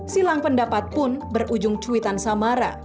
silang pendapat pun berujung cuitan samara